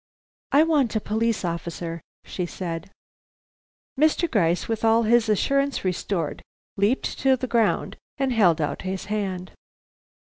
"I want a police officer," she said. Mr. Gryce, with all his assurance restored, leaped to the ground and held out his hand.